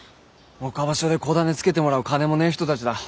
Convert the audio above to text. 岡場所で子種付けてもらう金もねえ人たちだ。